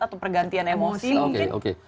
atau pergantian emosi mungkin